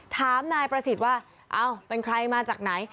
ถามนายประสิทธิ์ว่าเอ้าเป็นใครมาจากไหน